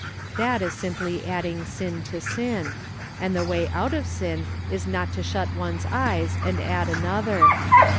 That is simply adding sin to sin ; and the way out of sin is not to shut ones eyes and add another.